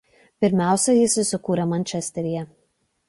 Pirmiausiai jis įsikūrė Mančesteryje.